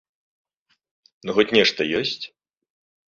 Ну хоць нешта ёсць?